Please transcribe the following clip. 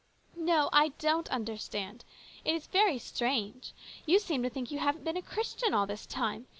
" No, I don't understand. It is very strange. You seem to think you haven't been a Christian all this time.